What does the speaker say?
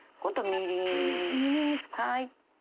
みりんですか。